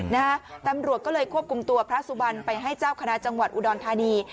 นะฮะตำรวจก็เลยควบคุมตัวพระสุบันไปให้เจ้าคณะจังหวัดอุดรธานี